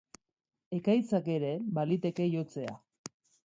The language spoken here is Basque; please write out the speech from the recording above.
Ekaitzak ere baliteke jotzea.